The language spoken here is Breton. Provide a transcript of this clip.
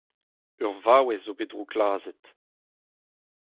Ur vaouez zo bet drouklazhet !